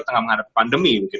tengah menghadapi pandemi